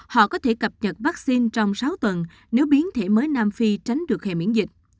họ có thể cập nhật vaccine trong sáu tuần nếu biến thể mới nam phi tránh được hệ miễn dịch